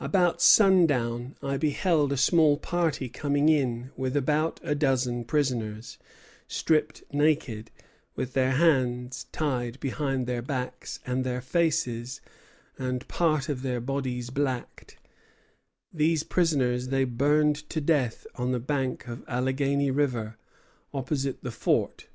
"About sundown I beheld a small party coming in with about a dozen prisoners, stripped naked, with their hands tied behind their backs and their faces and part of their bodies blacked; these prisoners they burned to death on the bank of Alleghany River, opposite the fort.